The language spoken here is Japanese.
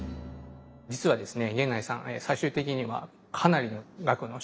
実はですね